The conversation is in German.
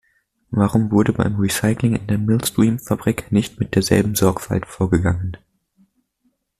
Warum wurde beim Recycling in der Millstream-Fabrik nicht mit derselben Sorgfalt vorgegangen?